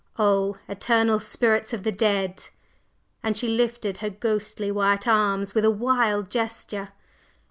O Eternal Spirits of the Dead!" and she lifted her ghostly white arms with a wild gesture.